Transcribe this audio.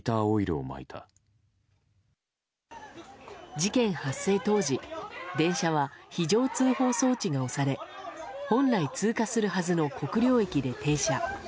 事件発生当時電車は非常通報装置が押され本来通過するはずの国領駅で停車。